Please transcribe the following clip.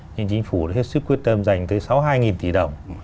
nhưng chính phủ hết sức quyết tâm dành tới sáu hai nghìn tỷ đồng